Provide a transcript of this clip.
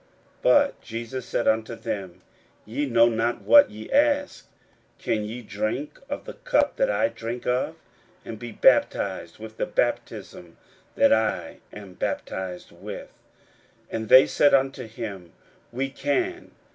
41:010:038 But Jesus said unto them, Ye know not what ye ask: can ye drink of the cup that I drink of? and be baptized with the baptism that I am baptized with? 41:010:039 And they said unto him, We can.